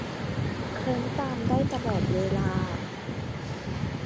เคลิ้มตามได้ตลอดเวลา